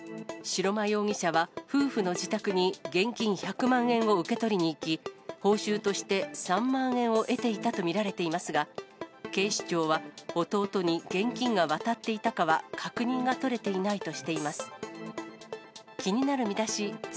白間容疑者は、夫婦の自宅に現金１００万円を受け取りに行き、報酬として３万円を得ていたと見られていますが、警視庁は弟に現金が渡っていたかは確認が取れていないとしています。